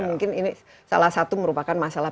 mungkin ini salah satu merupakan masalah